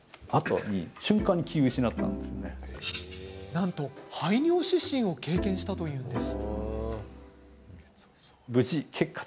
なんと排尿失神を経験したというんです。